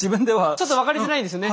ちょっと分かりづらいですよね。